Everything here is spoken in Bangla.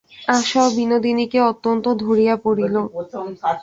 আশাও বিনোদিনীকে অত্যন্ত ধরিয়া পড়িল।